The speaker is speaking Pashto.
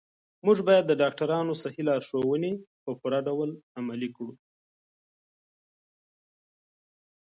موږ باید د ډاکترانو صحي لارښوونې په پوره ډول عملي کړو.